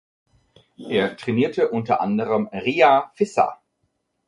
Er trainierte unter anderem Ria Visser.